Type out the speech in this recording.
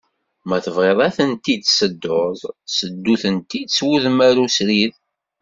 Ma tebɣiḍ ad tent-id-tsedduḍ seddu-tent-id s wudem arusrid.